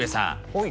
はい。